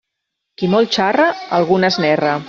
Qui molt xarra, algunes n'erra.